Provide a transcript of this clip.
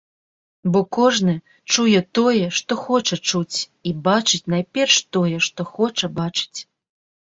Бо кожны чуе тое, што хоча чуць, і бачыць найперш тое, што хоча бачыць.